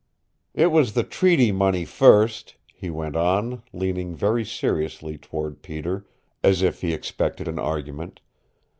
"It was the Treaty Money first," he went on, leaning very seriously toward Peter, as if he expected an argument.